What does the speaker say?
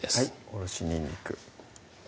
おろしにんにく